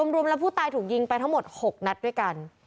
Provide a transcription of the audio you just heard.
รวมแล้วผู้ตายถูกยิงไปทั้งหมด๖นัดด้วยกัน